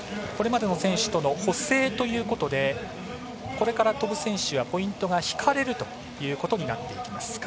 これまでの選手との補正ということでこれから飛ぶ選手はポイントが引かれるということになっていきます。